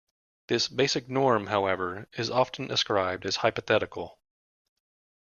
This "basic norm", however, is often ascribed as hypothetical.